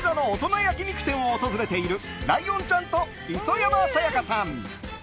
焼き肉店を訪れているライオンちゃんと磯山さやかさん。